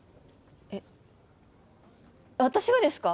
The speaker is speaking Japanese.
えっ私がですか？